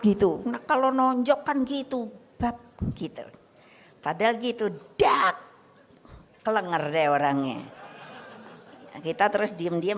gitu kalau nonjok kan gitu bab gitu padahal gitu dak kelenger deh orangnya kita terus diem diem